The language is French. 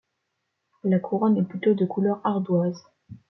La couronne est plutôt de couleur ardoise.